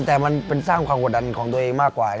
แต่มันเป็นสร้างความกดดันของตัวเองมากกว่า